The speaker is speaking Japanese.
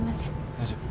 大丈夫？